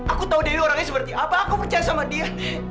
aku tahu diri orangnya seperti apa aku percaya sama dia